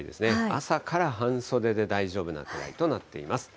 朝から半袖で大丈夫なくらいとなっています。